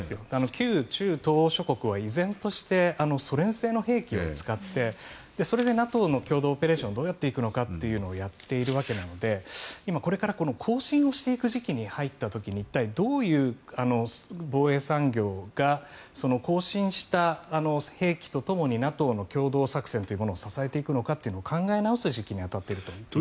旧中東欧諸国はソ連製の兵器を使ってそれでＮＡＴＯの共同オペレーションどうやって行うのかというのをやっているわけなのでいま、これから更新をしていく時期に入った時に一体どういう防衛産業が更新した兵器とともにＮＡＴＯの共同作戦を支えていくのかを考え直す時期になっていると思います。